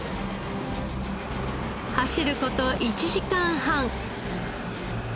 走ること１時間半。